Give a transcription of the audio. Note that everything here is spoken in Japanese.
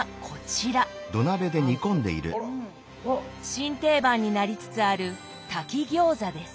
新定番になりつつある「炊き餃子」です。